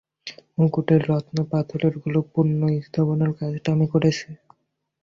মুকুটের রত্ন-পাথরগুলো পুনঃ-স্থাপনের কাজটা আমি করেছি।